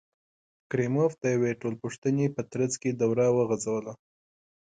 کریموف د یوې ټولپوښتنې په ترڅ کې دوره وغځوله.